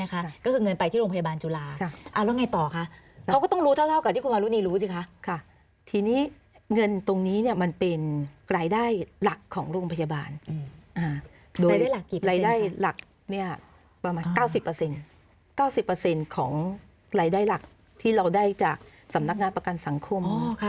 ค่ะก็คือเงินไปที่โรงพยาบาลจุฬาค่ะอ่าแล้วไงต่อค่ะเขาก็ต้องรู้เท่าเท่ากับที่คุณมารุณีรู้สิค่ะค่ะทีนี้เงินตรงนี้เนี้ยมันเป็นรายได้หลักของโรงพยาบาลอ่าโดยรายได้หลักเนี้ยประมาณเก้าสิบเปอร์เซ็นต์เก้าสิบเปอร์เซ็นต์ของรายได้หลักที่เราได้จากสำนักงานประกันสังคมอ๋อ